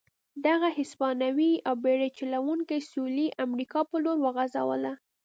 دغه هسپانوي او بېړۍ چلوونکي سوېلي امریکا په لور وخوځوله.